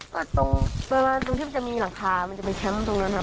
เปิดตรงเมื่อมีหลังคามันจะไปแชมป์ตรงนั้นครับ